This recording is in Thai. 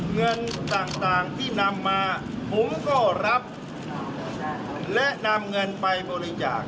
เงินต่างที่นำมาผมก็รับและนำเงินไปบริจาค